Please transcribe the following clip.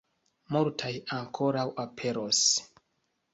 Multaj ankoraŭ aperos.